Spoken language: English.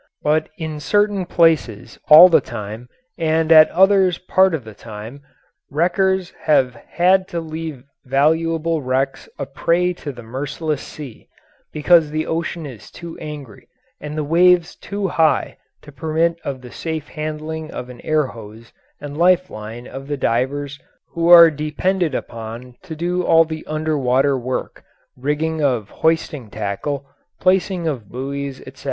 But in certain places all the time and at others part of the time, wreckers have had to leave valuable wrecks a prey to the merciless sea because the ocean is too angry and the waves too high to permit of the safe handling of the air hose and life line of the divers who are depended upon to do all the under water work, rigging of hoisting tackle, placing of buoys, etc.